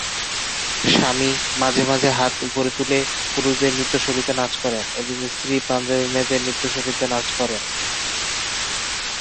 স্বামী, মাঝেমাঝে হাত উপরে তুলে, পুরুষদের নৃত্য শৈলীতে নাচ করেন এবং স্ত্রী, পাঞ্জাবি মেয়েদের নৃত্য শৈলীতে নাচ করেন।